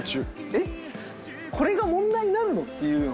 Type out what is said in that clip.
えっこれが問題になるの？って。